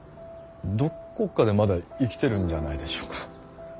どこかでまだ生きてるんじゃないでしょうか。